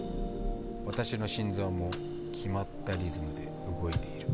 私の心臓も決まったリズムで動いている。